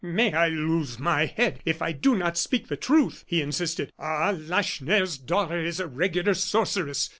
"May I lose my head if I do not speak the truth," he insisted. "Ah! Lacheneur's daughter is a regular sorceress.